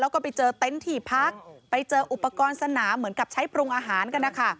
แล้วก็ไปเจอเต็นต์ที่พักไปเจออุปกรณ์สนามเหมือนกับใช้ปรุงอาหารกันนะคะ